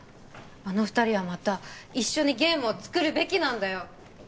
あの二人はまた一緒にゲームを作るべきなんだよ